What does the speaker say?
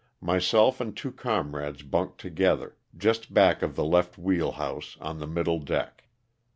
'' Myself and two comrades bunked together, just back of the left wheel house, on the middle deck.